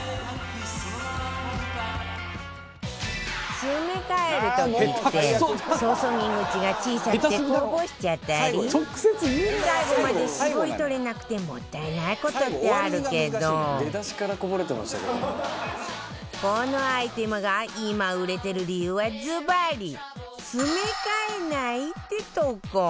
詰め替える時って注ぎ口が小さくてこぼしちゃったり最後まで搾り取れなくてもったいない事ってあるけどこのアイテムが今売れてる理由はずばり詰め替えないってとこ！